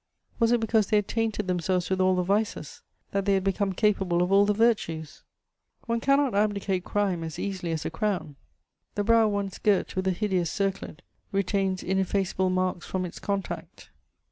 Was it because they had tainted themselves with all the vices that they had become capable of all the virtues? One cannot abdicate crime as easily as a crown: the brow once girt with the hideous circlet retains ineffaceable marks from its contact.